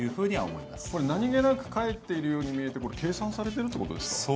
これが何気なく帰っているように見えて、計算されているということですか。